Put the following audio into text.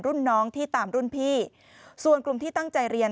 รุ่นน้องที่ตามรุ่นพี่ส่วนกลุ่มที่ตั้งใจเรียน